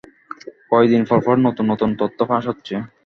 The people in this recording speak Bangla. কয়েক দিন পরপরই নতুন নতুন তথ্য ফাঁস হচ্ছে।